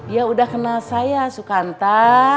ya udah kenal saya sukanta